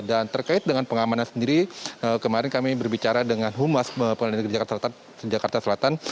dan terkait dengan pengamanan sendiri kemarin kami berbicara dengan humas pengadilan negeri jakarta selatan